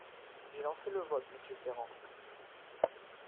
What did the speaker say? J’ai lancé le vote, monsieur Ferrand.